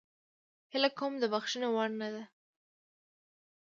هیله کوم د بخښنې وړ نه ده.